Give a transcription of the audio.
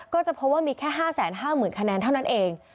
ก็จะพบว่ามีแค่๕๕๐๐๐คะแนนเท่านั้นเอง